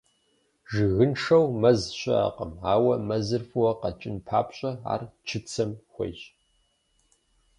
Жыгыншэу мэз щыӏэкъым, ауэ мэзыр фӏыуэ къэкӏын папщӏэ, ар чыцэм хуейщ.